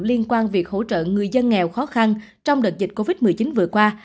liên quan việc hỗ trợ người dân nghèo khó khăn trong đợt dịch covid một mươi chín vừa qua